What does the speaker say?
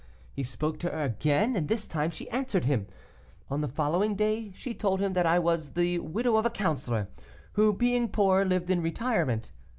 He spoke to her again, and this time she answered him. On the following day she told him that I was the widow of a counselor, who, being poor, lived in retirement.